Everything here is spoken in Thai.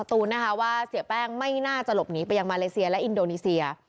เพราะเสียแป้งเนี่ยไม่ได้มีพักผู้อยู่ที่สตูนเลย